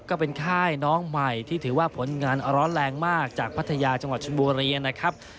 ก็เป็นค่ายน้องใหม่ที่ถือว่าผลงานร้อนแรงมากจากพัทยาจังหวัดชนบุรีนะครับ